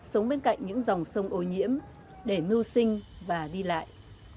sống bên cạnh những dòng sông ô nhiễm để mưu sinh và đi lại